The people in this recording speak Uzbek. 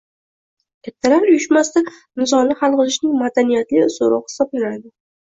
Kattalar uyushmasida nizoni hal qilishning madaniyatli usuli hisoblanadi.